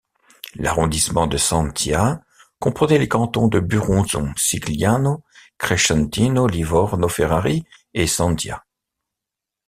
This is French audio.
L'arrondissement de Santhia comprenait les cantons de Buronzo, Cigliano, Crescentino, Livorno Ferraris et Santhià.